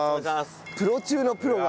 プロ中のプロが。